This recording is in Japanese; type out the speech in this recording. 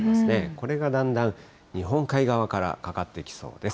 これがだんだん日本海側からかかってきそうです。